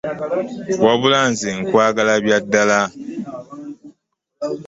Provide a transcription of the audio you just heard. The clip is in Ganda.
Wabula nze nkwagala bya ddala.